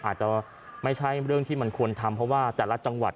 อาจจะไม่ใช่เรื่องที่มันควรทำเพราะว่าแต่ละจังหวัด